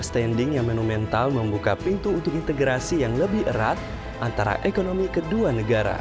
standing yang monumental membuka pintu untuk integrasi yang lebih erat antara ekonomi kedua negara